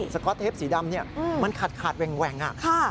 สก๊อตเทปสีดำนี่มันขาดแหว่งค่ะ